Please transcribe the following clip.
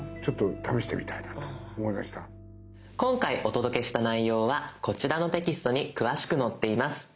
今回お届けした内容はこちらのテキストに詳しく載っています。